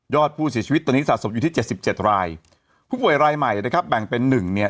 ยอดผู้เสียชีวิตตอนนี้สะสมอยู่ที่๗๗รายผู้ป่วยรายใหม่นะครับแบ่งเป็น๑เนี่ย